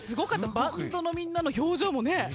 バンドのみんなの表情もね。